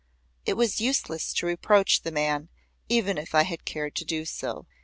It was useless to reproach the man even if I had cared to do so.